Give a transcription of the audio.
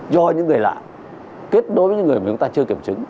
do những người lạ kết đối với những người mà chúng ta chưa kiểm chứng